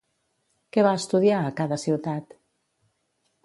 Què va estudiar, a cada ciutat?